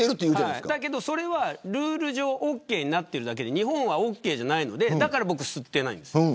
だけどそれは、ルール上オーケーになっているだけで日本はオーケーじゃないので僕は吸っていないんです。